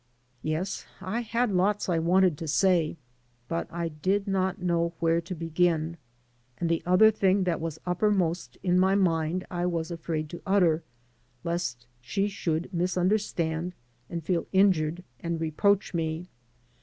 Yes, I had lots I wanted to say, but I did not know where to begin; and the one thing that was uppermost in my mind I was afraid to utter lest she should mis understand and feel injured and reproach me.